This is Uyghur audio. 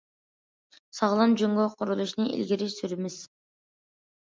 ساغلام جۇڭگو قۇرۇلۇشىنى ئىلگىرى سۈرىمىز.